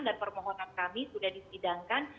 dan permohonan kami sudah disidangkan